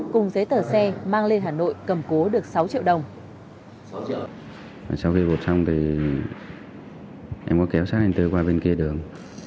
cùng giấy tờ xe mang lên hà nội cầm cố được sáu triệu đồng